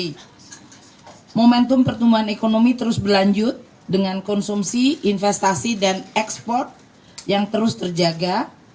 jadi momentum pertumbuhan ekonomi terus berlanjut dengan konsumsi investasi dan ekspor yang terus terjaga